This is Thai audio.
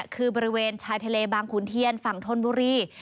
คือบริเวณชายทะเลบางขุนเทียนฝั่งธนบุรี